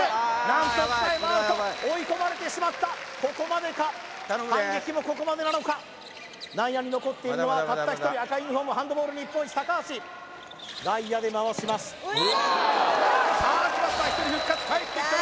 何と蔦谷もアウト追い込まれてしまったここまでか反撃もここまでなのか内野に残っているのはたった１人赤いユニフォームハンドボール日本一橋外野で回しますさあきました